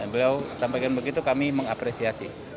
beliau sampaikan begitu kami mengapresiasi